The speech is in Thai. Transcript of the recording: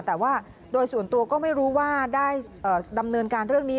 แต่ว่าโดยส่วนตัวก็ไม่รู้ว่าได้ดำเนินการเรื่องนี้